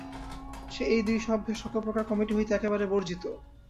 সে এই দুই সভ্যের সকলপ্রকার কমিটি হইতে একেবারে বর্জিত।